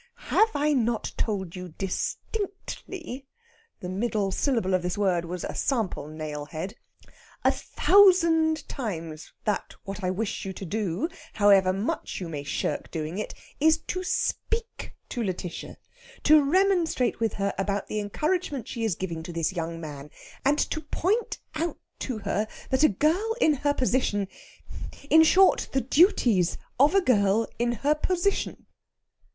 "Have I not told you dis_tinct_ly" the middle syllable of this word was a sample nailhead "a _thou_sand times that what I wish you to do however much you may shirk doing it is to speak to Lætitia to remonstrate with her about the encouragement she is giving to this young man, and to point out to her that a girl in her position in short, the duties of a girl in her position?"